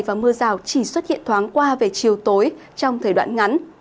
và mưa rào chỉ xuất hiện thoáng qua về chiều tối trong thời đoạn ngắn